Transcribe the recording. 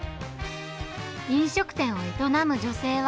飲食店を営む女性は。